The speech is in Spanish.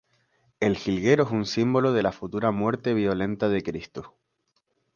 El jilguero es un símbolo de la futura muerte violenta de Cristo.